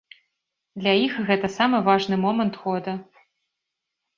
Для іх гэта самы важны момант года.